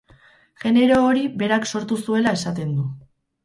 Genero hori berak sortu zuela esaten du.